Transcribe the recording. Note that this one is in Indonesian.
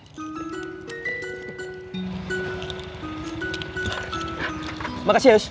terima kasih yos